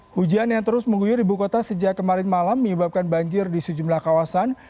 hujan yang terus mengguyur ibu kota sejak kemarin malam menyebabkan banjir di sejumlah kawasan